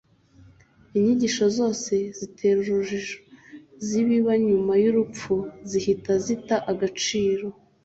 inyigisho zose zitera urujijo z’ibiba nyuma y’urupfu zihita zita agaciro.